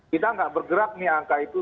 kita nggak bergerak nih angka itu